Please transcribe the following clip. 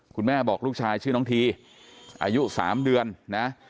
คุณแม่บอกลูกชายชื่อน้องทีอายุ๓เดือนนะ